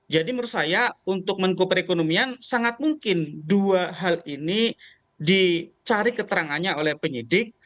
jadi menurut saya untuk kementerian perekonomian sangat mungkin dua hal ini dicari keterangannya oleh penyidik